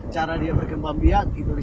cara dia berkembang biak itu